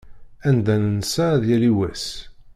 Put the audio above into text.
Anda nensa, ad yali wass.